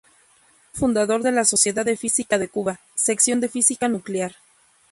Miembro fundador de la Sociedad de Física de Cuba, Sección de Física Nuclear.